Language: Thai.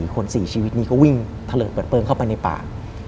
คน๔ชีวิตนี้ก็วิ่งทะเลิดเปิดเปลืองเข้าไปในป่า